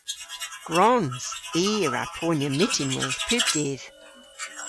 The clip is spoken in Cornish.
Gwrons! I a wra ponya myttinweyth pub dydh.